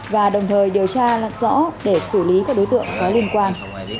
và đồng thời điều tra lạc rõ để xử lý các đối tượng có liên quan